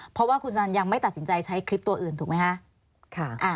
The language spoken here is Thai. เพราะว่าคุณสนันยังไม่ตัดสินใจใช้คลิปตัวอื่นถูกไหมคะ